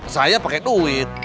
saya pake duit